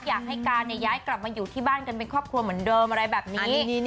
อยากให้การย้ายกลับมาอยู่ที่บ้านกันเป็นครอบครัวเหมือนเดิมอะไรแบบนี้